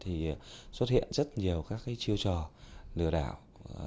thì xuất hiện rất nhiều các cái chiêu trò lừa đảo